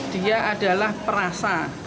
dia adalah perasa